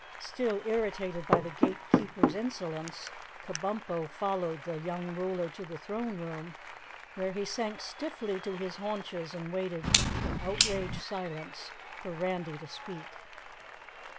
Still irritated by the Gatekeeper's insolence, Kabumpo followed the young ruler to the throne room where he sank stiffly to his haunches and waited in outraged silence for Randy to speak.